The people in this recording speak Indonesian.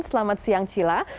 selamat siang cila